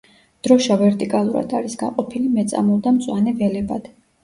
დროშა ვერტიკალურად არის გაყოფილი მეწამულ და მწვანე ველებად.